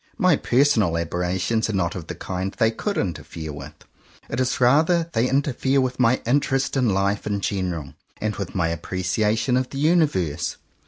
My personal aberrations are not of the kind they could interfere with. It is rather that they interfere with my interest in life in general, and with my appreciation of the Uni verse.